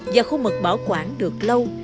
và khu mực bảo quản được lâu